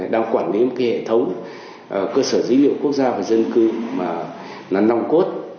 đang quản lý một cái hệ thống cơ sở dữ liệu quốc gia và dân cư mà nó nong cốt